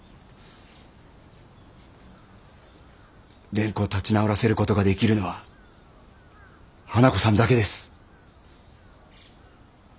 蓮子を立ち直らせる事ができるのは花子さんだけです。